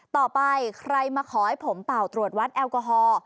ต่อไปใครมาขอให้ผมเป่าตรวจวัดแอลกอฮอล์